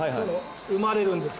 生まれるんです